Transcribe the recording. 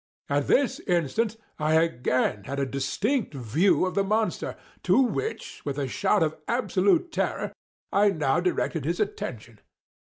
At this instant I again had a distinct view of the monster—to which, with a shout of absolute terror, I now directed his attention.